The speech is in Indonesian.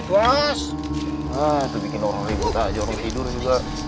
bos bikin orang tidur juga